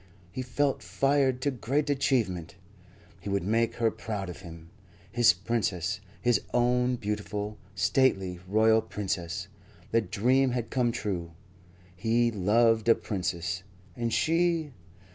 He felt fired to great achievement. He would make her proud of him, his Princess, his own beautiful, stately, royal Princess. The dream had come true. He loved a Princess; and she